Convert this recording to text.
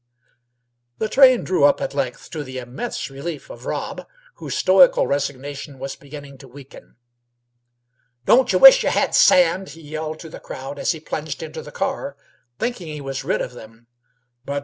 The train drew up at length, to the immense relief of Rob, whose stoical resignation was beginning to weaken. "Don't y' wish y' had sand?" he yelled to the crowd, as he plunged into the car, thinking he was rid of them at last.